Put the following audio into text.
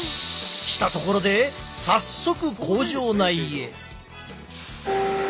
したところで早速工場内へ。